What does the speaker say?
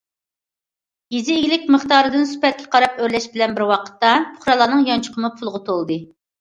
يېزا ئىگىلىك مىقداردىن سۈپەتكە قاراپ ئۆرلەش بىلەن بىر ۋاقىتتا، پۇقرالارنىڭ يانچۇقىمۇ پۇلغا تولدى.